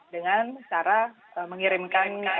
dengan cara mengirimkan